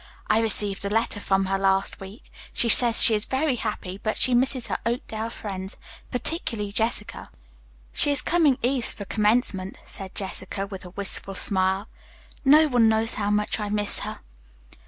I received a letter from her last week. She says she is very happy, but that she misses her Oakdale friends, particularly Jessica." "She is coming east for commencement," said Jessica with a wistful smile. "No one knows how much I miss her."